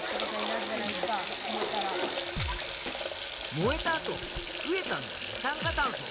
燃えた後増えたのは二酸化炭素。